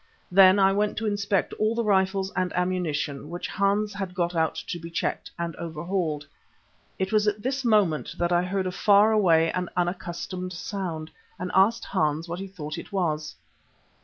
Then I went to inspect all the rifles and ammunition, which Hans had got out to be checked and overhauled. It was at this moment that I heard a far away and unaccustomed sound, and asked Hans what he thought it was.